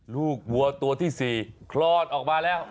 วัวตัวที่๔คลอดออกมาแล้ว